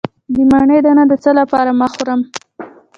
د مڼې دانه د څه لپاره مه خورم؟